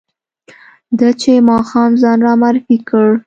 ده چې ماښام ځان را معرفي کړ.